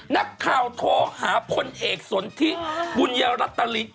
นักข่าวโทรหาคนเอกสนที่บุญรัตน์กะลินเลยฮะ